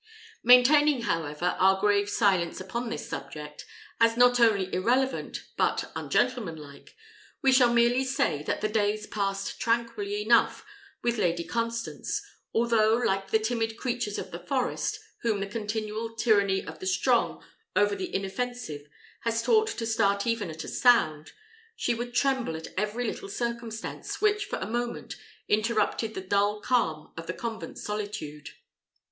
Maintaining, however, our grave silence upon this subject, as not only irrelevant but ungentlemanlike, we shall merely say, that the days passed tranquilly enough with Lady Constance, although, like the timid creatures of the forest, whom the continual tyranny of the strong over the inoffensive has taught to start even at a sound, she would tremble at every little circumstance which for a moment interrupted the dull calm of the convent's solitude.